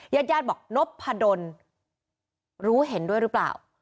ยัดยายาบอกนบผดนรู้เห็นด้วยรึเปล่า